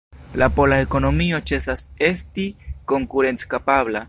La pola ekonomio ĉesas esti konkurenckapabla.